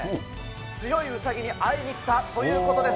強いうさぎに会いに来たということです。